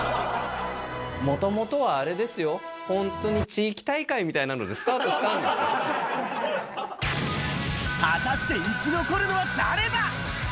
もともとはあれですよ、本当に地域大会みたいなのでスタートした果たして生き残るのは誰だ？